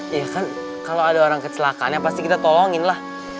iya kan kalo ada orang kecelakaannya pasti kita tolongin lah